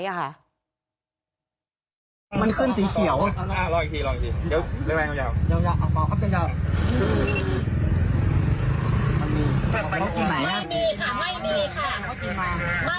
ตำรวจคนร้ายที่ยื่นให้เป่า